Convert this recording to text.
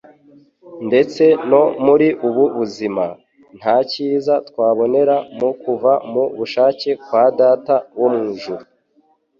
Ndetse no muri ubu buzima nta cyiza twabonera mu kuva mu bushake bwa Data wo mw' ijuru